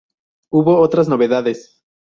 Hubo otras novedades.